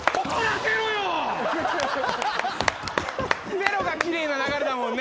・ゼロがきれいな流れだもんね